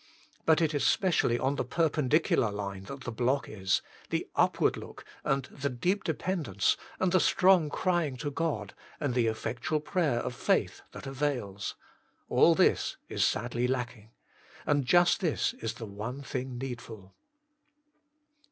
But it is specially on the perpendicular line that the block is the upward look, and the deep dependence, and the strong crying to God, and the effectual prayer of faith that avails all this is sadly lacking. And just this is the one thing needful.